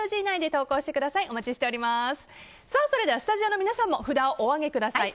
それではスタジオの皆さんも札をお上げください。